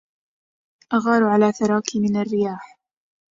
أغار على ثراك من الرياح